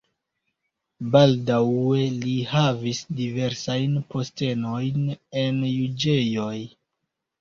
Baldaŭe li havis diversajn postenojn en juĝejoj.